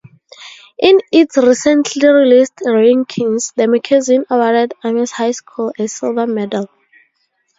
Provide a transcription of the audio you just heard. In its recently released rankings, the magazine awarded Ames High School a silver medal.